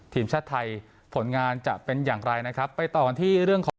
ทีมชาติไทยผลงานจะเป็นอย่างไรนะครับไปต่อกันที่เรื่องของ